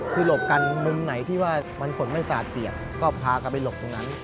คือหลบกันมึงไหนที่ว่ามันผสมั้ยตาแตียงก็พากลับไปหรบตรงนั้น